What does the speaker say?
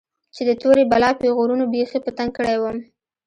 چې د تورې بلا پيغورونو بيخي په تنگ کړى وم.